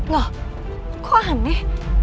loh kok aneh